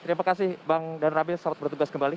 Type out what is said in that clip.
terima kasih bang dan rabil selamat bertugas kembali